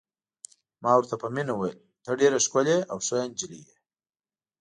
ما ورته په مینه وویل: ته ډېره ښکلې او ښه نجلۍ یې.